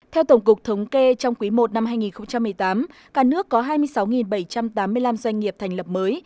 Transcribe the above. theo tổng cục thống kê trong quý i năm hai nghìn một mươi tám cả nước có hai mươi sáu bảy trăm tám mươi năm doanh nghiệp thành lập mới